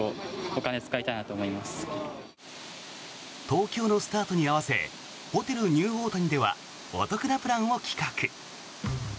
東京のスタートに合わせホテルニューオータニではお得なプランを企画。